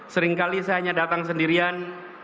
sering kali saya hanya datang sendirian